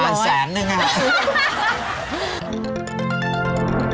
ประมาณแสนนะครับ